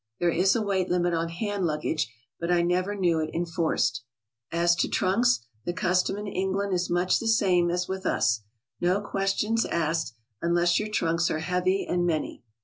(There is a weight limit on hand luggage, but I never knew it enforced.) As to trunks, the custom in England is much the same as with us, — no questions asked unless your trunks are heavy and many.